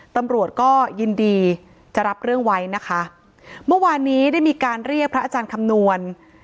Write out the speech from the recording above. ตำรวจก็ยินดีจะรับเรื่องไว้นะคะเมื่อวานนี้ได้มีการเรียกพระอาจารย์คำนวณ